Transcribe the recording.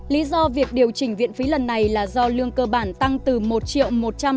lý do việc điều chỉnh viện phí lần này là do lương cơ bản tăng từ một triệu